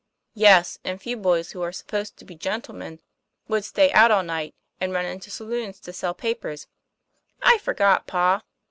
' Yes, and few boys who are supposed to be gen tlemen would stay out all night, and run into saloona to sell papers." " I forgot, pa.